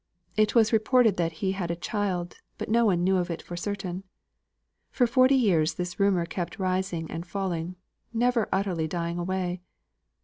It was reported that he had a child, but no one knew of it for certain. For forty years this rumour kept rising and falling never utterly dying away.